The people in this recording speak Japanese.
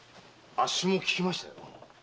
あっしも聞きましたよ。